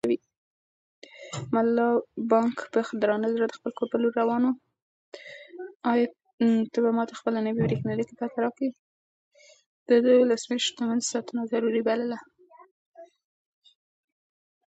که ته د هغوی ساده توب وګورې، نو په حیرت کې به پاتې شې.